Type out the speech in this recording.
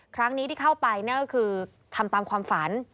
ครั้งนี้ที่เข้าไปก็คือทำตามความฝัน